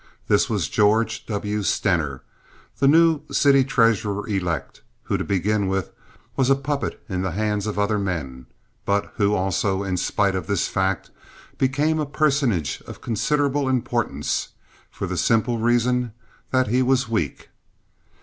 This was George W. Stener, the new city treasurer elect, who, to begin with, was a puppet in the hands of other men, but who, also in spite of this fact, became a personage of considerable importance, for the simple reason that he was weak.